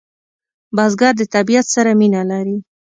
بزګر د طبیعت سره مینه لري